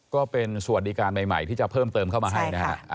ก็เป็นสวัสดิการใหม่ที่จะเพิ่มเติมเข้ามาให้นะฮะ